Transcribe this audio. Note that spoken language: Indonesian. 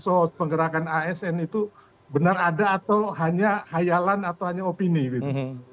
sos penggerakan asn itu benar ada atau hanya hayalan atau hanya opini gitu